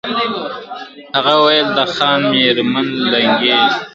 هغه وویل د خان مېرمن لنګیږي ..